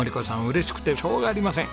嬉しくてしょうがありません。